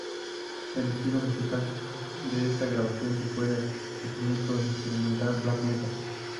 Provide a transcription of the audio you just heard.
El estilo musical de esta grabación se puede definir como Experimental Black Metal.